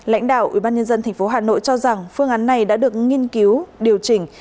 lãnh đạo ubnd tp hà nội cho rằng phương án này đã được nghiên cứu điều chỉnh